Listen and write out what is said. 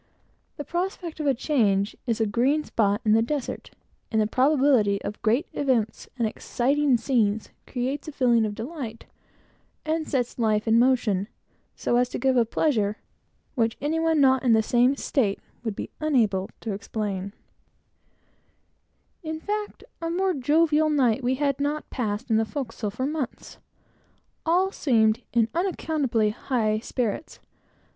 The prospect of a change is like a green spot in a desert, and the remotest probability of great events and exciting scenes gives a feeling of delight, and sets life in motion, so as to give a pleasure, which any one not in the same state would be entirely unable to account for. In fact, a more jovial night we had not passed in the forecastle for months. Every one seemed in unaccountably high spirits.